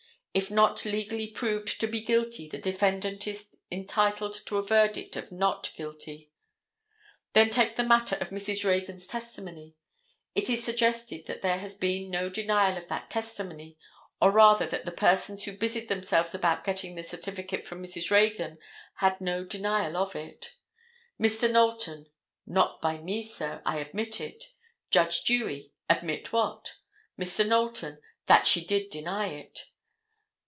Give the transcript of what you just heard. If not legally proved to be guilty, the defendant is entitled to a verdict of not guilty. Then take the matter of Mrs. Reagan's testimony. It is suggested that there has been no denial of that testimony, or, rather, that the persons who busied themselves about getting the certificate from Mrs. Reagan had no denial of it. Mr. Knowlton; "Not by me, sir. I admit it." Judge Dewey; "Admit what?" Mr. Knowlton; "That she did deny it."